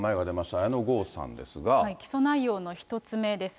今回、起訴内容の１つ目です。